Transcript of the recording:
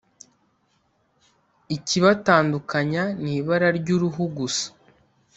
ikibatandukanya ni ibara ry’uruhu gusa